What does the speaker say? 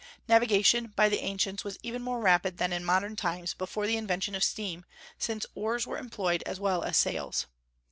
Navigation by the ancients was even more rapid than in modern times before the invention of steam, since oars were employed as well as sails.